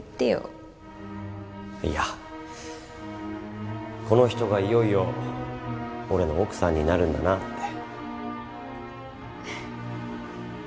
いやこの人がいよいよ俺の奥さんになるんだなって。